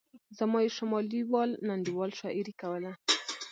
زما یو شمالي وال انډیوال شاعري کوله.